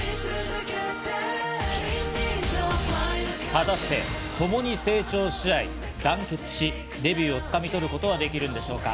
果たして、ともに成長し合い、団結し、デビューを掴み取ることはできるんでしょうか？